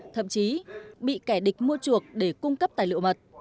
thậm chí bị kẻ địch mua chuộc để cung cấp tài liệu mật